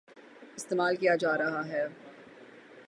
استعمال کیا جارہا ہے ۔